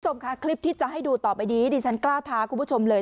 คุณผู้ชมค่ะคลิปที่จะให้ดูต่อไปนี้ดิฉันกล้าท้าคุณผู้ชมเลย